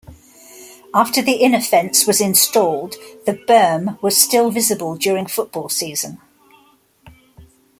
After the inner fence was installed, the berm was still visible during football season.